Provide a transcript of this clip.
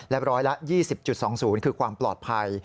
และร้อยละ๒๐๒๐คือกว่าความปลอดภัย